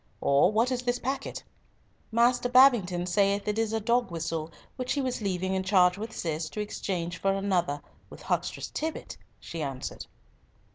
or what is this packet?" "Master Babington saith it is a dog whistle which he was leaving in charge with Cis to exchange for another with Huckstress Tibbott," she answered.